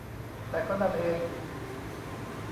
แต่ก็นั่นเอง